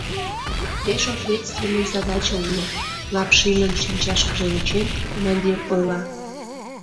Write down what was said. — Пеш ответственный задача уло, — Лапшинын шинчашкыже ончен, командир ойла.